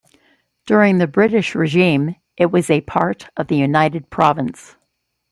During the British regime, it was a part of the United Province.